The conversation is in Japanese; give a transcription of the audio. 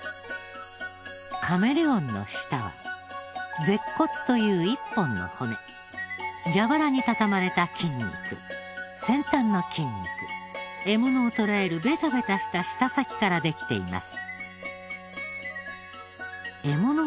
カメレオンの舌は舌骨という１本の骨蛇腹に畳まれた筋肉先端の筋肉獲物を捕らえるベタベタした舌先からできています。